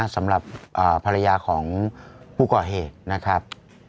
สำหรับภรรยาของผู้ก่อเหตุนะครับ